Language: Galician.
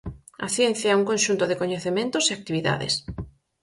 A ciencia é un conxunto de coñecementos e actividades.